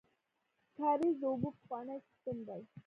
کاریز د اوبو پخوانی سیستم دی